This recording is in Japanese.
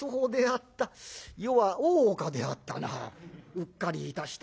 うっかりいたした。